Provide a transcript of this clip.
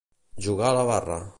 Jugar a la barra.